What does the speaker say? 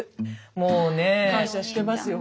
もうねえ。感謝してますよ